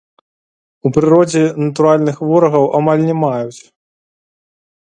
У прыродзе натуральных ворагаў амаль не маюць.